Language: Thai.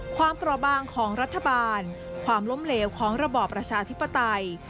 เปราะบางของรัฐบาลความล้มเหลวของระบอบประชาธิปไตย